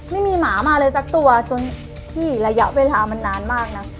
ไม่มีหมามาเลยสักตัวจนพี่ระยะเวลามันนานมากนะ